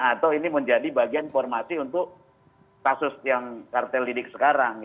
atau ini menjadi bagian informasi untuk kasus yang kartel lidik sekarang